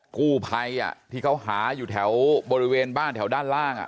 กู้ภัยที่เขาหาอยู่แถวบริเวณบ้านแถวด้านล่าง